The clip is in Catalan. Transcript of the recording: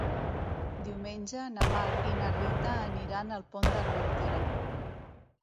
Diumenge na Mar i na Rita aniran al Pont d'Armentera.